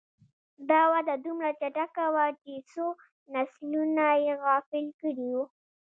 دا وده دومره چټکه وه چې څو نسلونه یې غافل کړي وو.